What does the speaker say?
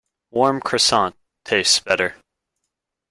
Warm Croissant tastes better.